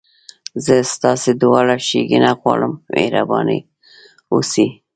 زه ستاسي دواړو ښېګڼه غواړم، مهربانه اوسئ.